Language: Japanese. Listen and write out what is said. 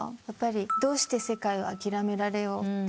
やっぱり「どうして世界を諦められよう？」